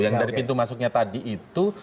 yang dari pintu masuknya tadi itu